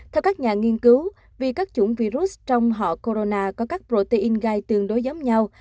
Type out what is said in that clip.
theo các nhà nghiên cứu vì các chủng virus trong họ corona có các protein gai tương đối giống nhau